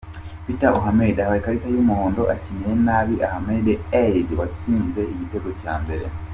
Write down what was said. ' Peter Otema ahawe ikarita y' umuhondo akiniye nabi Ahmed Eid watsinze igitego cya mbere.